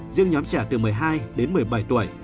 riêng nhóm trẻ từ một mươi hai đến một mươi bảy tuổi